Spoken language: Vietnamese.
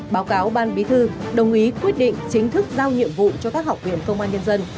báo cáo ban bí thư đồng ý quyết định chính thức giao nhiệm vụ cho các học viện công an nhân dân